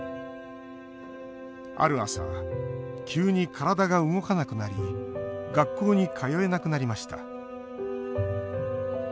ある朝、急に体が動かなくなり学校に通えなくなりました。